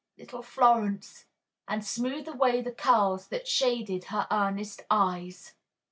Little Florence!" and smooth away the curls that shaded her earnest eyes.